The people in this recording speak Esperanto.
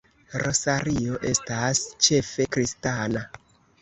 Rosario estas ĉefe kristana.